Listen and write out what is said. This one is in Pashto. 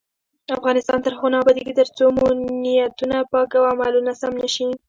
افغانستان تر هغو نه ابادیږي، ترڅو مو نیتونه پاک او عملونه سم نشي.